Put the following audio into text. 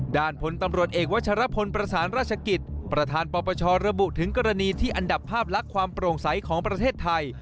ผลตำรวจเอกวัชรพลประสานราชกิจประธานปปชระบุถึงกรณีที่อันดับภาพลักษณ์ความโปร่งใสของประเทศไทย